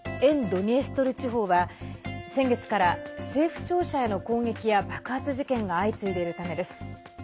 ドニエストル地方は先月から、政府庁舎への攻撃や爆発事件が相次いでいるためです。